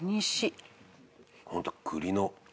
ホント栗の味